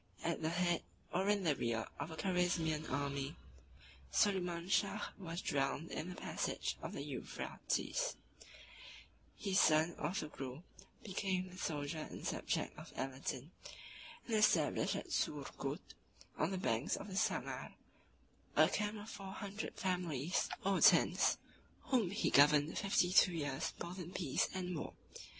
At the head, or in the rear, of a Carizmian army, Soliman Shah was drowned in the passage of the Euphrates: his son Orthogrul became the soldier and subject of Aladin, and established at Surgut, on the banks of the Sangar, a camp of four hundred families or tents, whom he governed fifty two years both in peace and war.